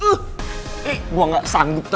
eh gue gak sanggup